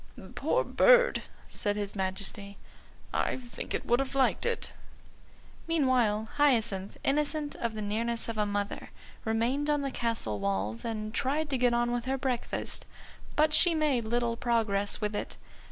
"Poor bird!" said his Majesty; "I think it would have liked it." Meanwhile Hyacinth, innocent of the nearness of a mother, remained on the castle walls and tried to get on with her breakfast. But she made little progress with it.